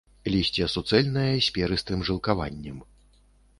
Лісце суцэльнае, з перыстым жылкаваннем.